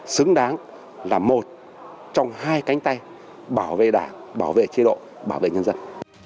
xứng đáng là một trong hai cánh tay bảo vệ đảng bảo vệ chế độ bảo vệ nhân dân